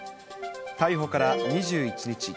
逮捕から２１日。